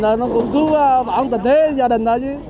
cũng cứ bảo ổn tình thế gia đình đó chứ